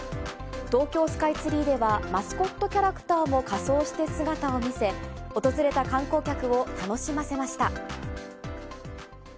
東京スカイツリーでは、マスコットキャラクターも仮装して姿を見せ、訪れた観光客を楽しませました。